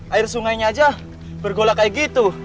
air sungainya aja bergolak kayak gitu